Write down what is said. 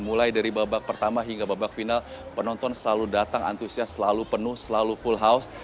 mulai dari babak pertama hingga babak final penonton selalu datang antusias selalu penuh selalu full house